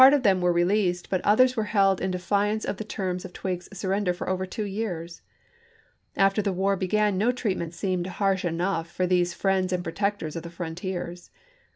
" Treat but others were held in defiance of the terms of mentof Twiggs's surrender for over two years. After the war p 288. ' began no treatment seemed harsh enough for these friends and protectors of the frontiers.